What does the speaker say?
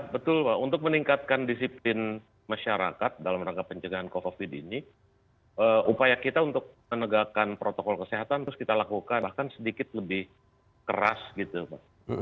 betul pak untuk meningkatkan disiplin masyarakat dalam rangka pencegahan covid ini upaya kita untuk menegakkan protokol kesehatan terus kita lakukan bahkan sedikit lebih keras gitu pak